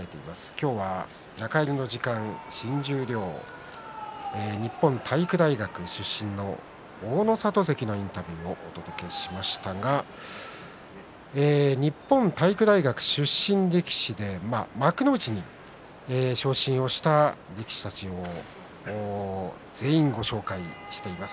今日は中入りの時間新十両、日本体育大学出身の大の里関のインタビューをお届けしましたが日本体育大学出身力士で幕内に昇進した力士たちを全員ご紹介しています。